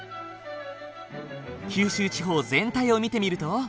九州地方全体を見てみると。